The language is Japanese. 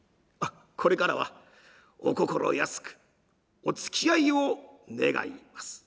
これからはお心安くおつきあいを願います」。